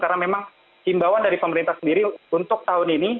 karena memang timbawan dari pemerintah sendiri untuk tahun ini